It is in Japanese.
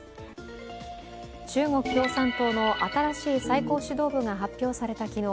中国共産党の新しい最高指導部が発表された昨日